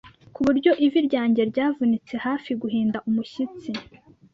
Ku buryo ivi ryanjye ryavunitse hafi guhinda umushyitsi